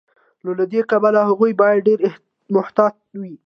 نو له دې کبله هغوی باید ډیر محتاط وي.